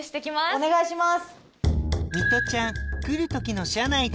お願いします！